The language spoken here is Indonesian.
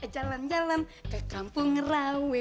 jalan jalan ke kampung rawe